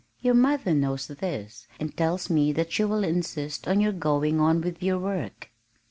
Your mother knows this and tells me that she will insist on your going on with your work."